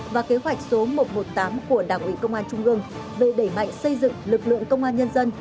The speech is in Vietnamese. và kế hoạch số một trăm một mươi tám của đảng ủy công an trung ương về đẩy mạnh xây dựng lực lượng công an nhân dân